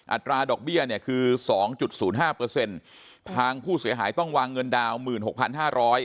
อัตราดอกเบี้ยคือ๒๐๕เปอร์เซ็นต์ทางผู้เสียหายต้องวางเงินดาวน์๑๖๕๐๐บาท